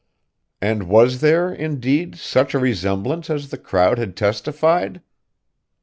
And was there, indeed, such a resemblance as the crowd had testified?